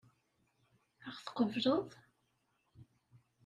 Ad ɣ-tqebleḍ?